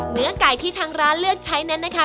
เนื้อไก่ที่ทางร้านเลือกใช้นั้นนะคะ